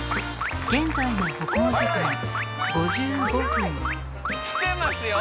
現在の歩行時間５５分来てますよ！